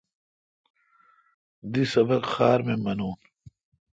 دی سبق خار می مینون۔